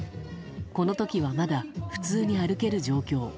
この時はまだ普通に歩ける状況。